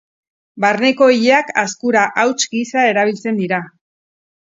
Barneko ileak azkura hauts gisa erabiltzen dira.